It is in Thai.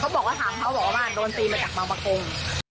บอกว่าทางเขาบอกว่าโดนตีมาจากบางประกง